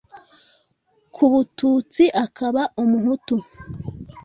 k ubututsi akaba umuhutu